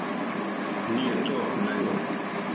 Није то него.